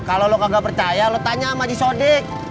kalau lo kagak percaya lo tanya sama aji sodik